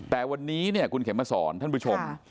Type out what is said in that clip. แต่วันนี้เนี่ยคุณเข็มมาสอนท่านผู้ชม